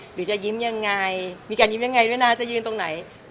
หรือจะยิ้มยังไงมีการยิ้มยังไงด้วยนะจะยืนตรงไหน